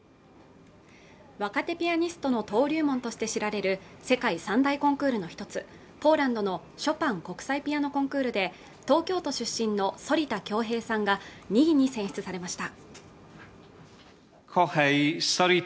若手ピアニストの登竜門として知られる世界３大コンクールの１つポーランドのショパン国際ピアノコンクールで東京都出身の反田恭平さんが２位に選出されました